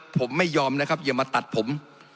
ผมไม่ยอมนะครับอย่ามาตัดผม